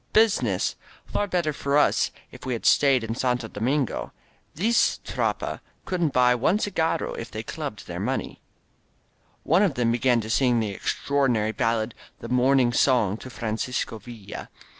"Business! Far better for us if we had stayed in Santo Domingo ! This Tropa couldn't buy one cigarro if they clubbed their money! .••" One of them began to sing that extraordinary bal lad, "The Morning Song to Francisco Villa."